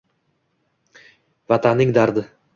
Vatanning dardi